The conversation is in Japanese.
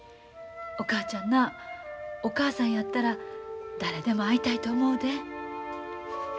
お母ちゃんなお母さんやったら誰でも会いたいと思うで。